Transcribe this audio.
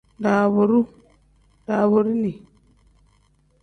Daabooruu pl: daaboorini n.